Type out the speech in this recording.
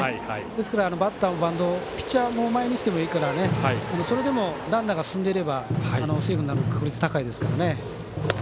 ですから、バッターもバントピッチャーを前にしてもいいからそれでもランナーが進んでいればセーフになる確率高いですから。